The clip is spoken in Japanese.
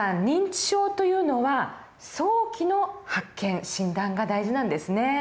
認知症というのは早期の発見診断が大事なんですね。